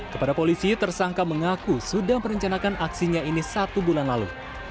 kepada polisi tersangka mengaku sudah merencanakan aksinya ini satu bulan lalu